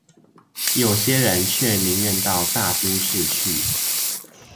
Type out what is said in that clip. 有些人卻寧願到大都市去